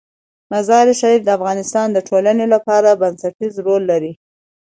مزارشریف د افغانستان د ټولنې لپاره بنسټيز رول لري.